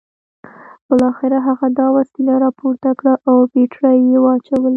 بالاخره هغه دا وسیله راپورته کړه او بیټرۍ یې واچولې